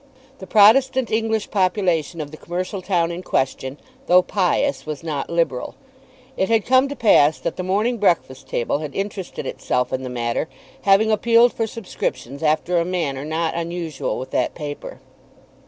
The Protestant English population of the commercial town in question, though pious, was not liberal. It had come to pass that the "Morning Breakfast Table" had interested itself in the matter, having appealed for subscriptions after a manner not unusual with that paper.